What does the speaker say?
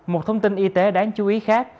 một thông tin y tế đáng chú ý khác